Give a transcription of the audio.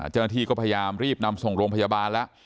เจ้าหน้าที่ก็พยายามรีบนำส่งโรงพยาบาลแล้ว